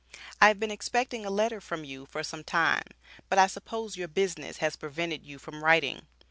I have been expecting a letter from you for some time but I suppose your business has prevented you from writing.